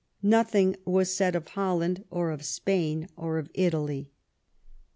Nothing was said of Holland.. or of Spain, or of Italy.